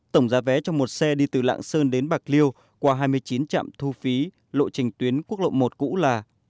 tổng giá vé trong một xe đi từ lạng sơn đến bạc liêu qua hai mươi chín trạm thu phí lộ trình tuyến quốc lộ một cũ là